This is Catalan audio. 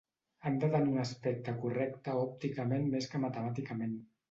Han de tenir un aspecte correcte òpticament més que matemàticament.